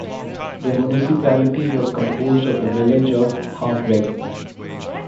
The municipality was composed of the village of Halfweg.